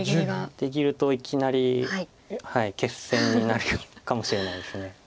出切るといきなり決戦になるかもしれないです。